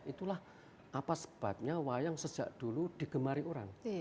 itulah apa sebabnya wayang sejak dulu digemari orang